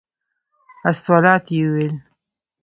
الصلواة یې ویلو.